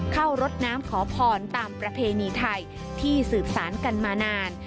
รดน้ำขอพรตามประเพณีไทยที่สืบสารกันมานาน